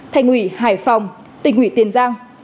thành ủy hải phòng tỉnh ủy tiền giang